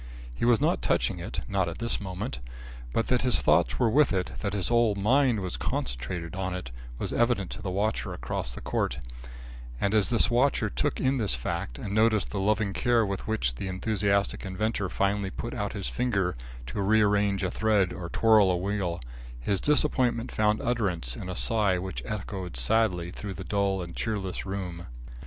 He was not touching it, not at this moment but that his thoughts were with it, that his whole mind was concentrated on it, was evident to the watcher across the court; and, as this watcher took in this fact and noticed the loving care with which the enthusiastic inventor finally put out his finger to re arrange a thread or twirl a wheel, his disappointment found utterance in a sigh which echoed sadly through the dull and cheerless room.